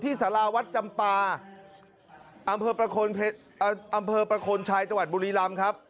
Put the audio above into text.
ที่สาราวัดจำปาอำเภอประคลชัยตบุรีรัมป์ครับ